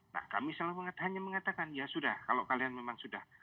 nah kami selalu hanya mengatakan ya sudah kalau kalian memang sudah